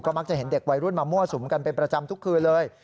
มักจะเห็นเด็กวัยรุ่นมามั่วสุมกันเป็นประจำทุกคืนเลย